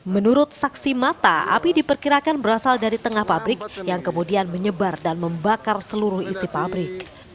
menurut saksi mata api diperkirakan berasal dari tengah pabrik yang kemudian menyebar dan membakar seluruh isi pabrik